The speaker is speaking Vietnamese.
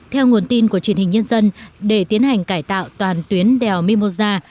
theo nguồn tin của truyền hình nhân dân để tiến hành cải tạo toàn tuyến đèo mimosa